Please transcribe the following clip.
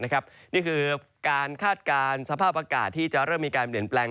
นี่คือการคาดการณ์สภาพอากาศที่จะเริ่มมีการเปลี่ยนแปลง